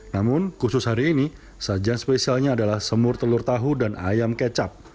namun khusus hari ini sajian spesialnya adalah semur telur tahu dan ayam kecap